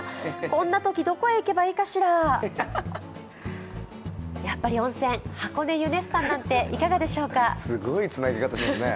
こんなとき、どこへ行けばいいかしら、やっぱり温泉、箱根ユネッサンなんていかがでしょうか。